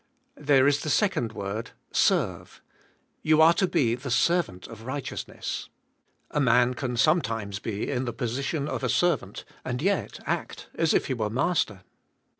There is the second word, serve* You are to be the servant of righteousness. A man can sometimes be in the position of a servant, and yet act as if he were master.